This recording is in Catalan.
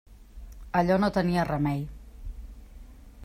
Allò no tenia remei.